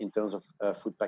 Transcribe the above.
untuk orang muda